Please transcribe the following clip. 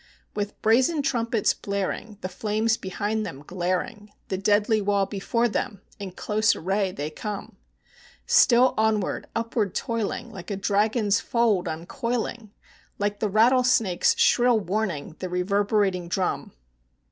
With brazen trumpets blaring, the flames behind them glaring, The deadly wall before them, in close array they come; Still onward, upward toiling, like a dragon's fold uncoiling, Like the rattlesnake's shrill warning the reverberating drum.